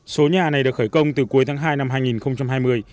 số nhà này được khởi công từ cuối tháng hai năm hai nghìn hai mươi